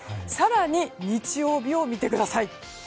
更に、日曜日を見てください。